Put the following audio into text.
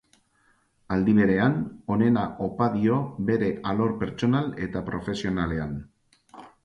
Aldi berean, onena opa dio bere alor pertsonal eta profesionalean.